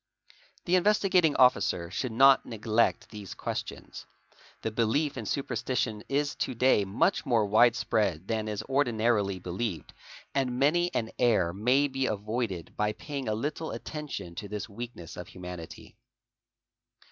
| The. Investigating Officer should not neglect these questions. The belief in superstition is to day much more widespread than is ordinarily believed and many an error may be avoided by paying a little attention _ to this weakness of humanity.